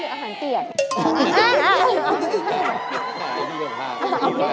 อาหารนี้เคยพี่แก่